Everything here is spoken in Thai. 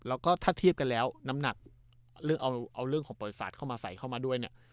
แล้วก็ถ้าเทียบกันแล้วน้ำหนักเรื่องเอาเรื่องของประวัติศาสตร์เข้ามาใส่เข้ามาด้วยเนี่ย